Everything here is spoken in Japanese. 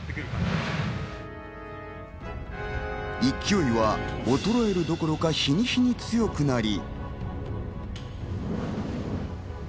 勢いは衰えるどころか、日に日に強くなり。